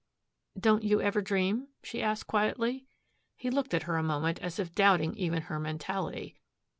"Don't you ever dream?" she asked quietly. He looked at her a moment as if doubting even her mentality.